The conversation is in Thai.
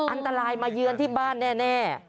อันตรายมาเยือนที่บ้านแน่